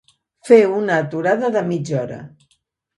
Fer una aturada de mitja hora.